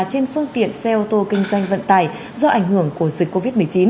trên phương tiện xe ô tô kinh doanh vận tải do ảnh hưởng của dịch covid một mươi chín